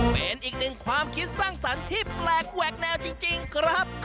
เป็นอีกหนึ่งความคิดสร้างสรรค์ที่แปลกแหวกแนวจริงครับ